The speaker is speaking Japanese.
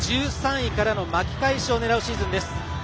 １３位からの巻き返しを狙うシーズンです。